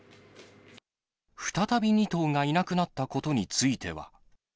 再び２頭がいなくなったことについては。